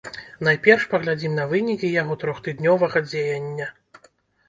Найперш паглядзім на вынікі яго трохтыднёвага дзеяння.